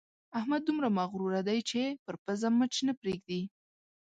احمد دومره مغروره دی چې پر پزه مچ نه پرېږدي.